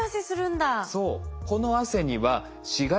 そう。